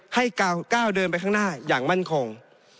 ให้ก้าวเดินไปข้างหน้าอย่างมั่นคง